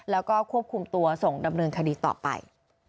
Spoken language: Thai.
แล้วก็ควบคุมตัวส่งดำเนินคดีต่อไป